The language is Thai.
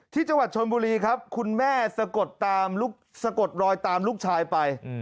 ที่จังหวัดชนบุรีครับคุณแม่สกดรอยตามลูกชายไป